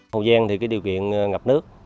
hậu giang thì điều kiện ngập nước